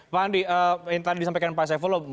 pak andi yang tadi disampaikan pak saifullah